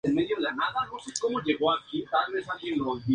Pero cae rendida ante Karin, una joven atractiva que aspira a ser modelo.